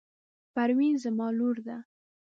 پروین زما لور ده.